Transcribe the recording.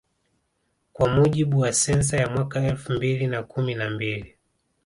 Kwa mujibu wa sensa ya mwaka elfu mbili na kumi na mbili